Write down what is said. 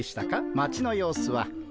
町の様子は。